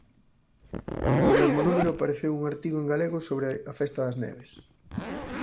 Nese mesmo número apareceu un artigo en galego sobre a Festa das Neves.